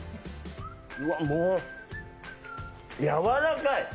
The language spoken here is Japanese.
うわっ、もう、やわらかい！